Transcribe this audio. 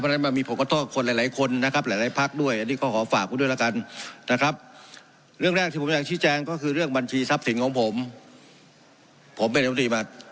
ผมเป็นยธรรมดีมา๖ปีแล้วงั้น๖ปี